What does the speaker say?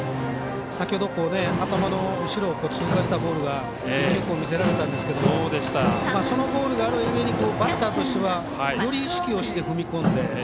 先ほど頭の後ろを通過したボールを１球見せられたんですけどそのボールがあるがゆえにバッターとしてはより意識をして踏み込んで。